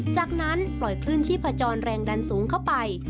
จากนั้นปล่อยคลื่นชีพจรแรงดันสูงเข้าไป